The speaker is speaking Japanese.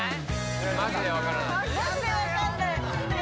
マジで分かんないねえ